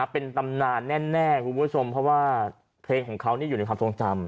เป็นตำนานแน่คุณผู้ชมเพราะว่าเพลงของเขาอยู่ในความทรงจำ